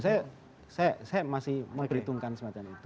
saya masih menghitungkan semacam itu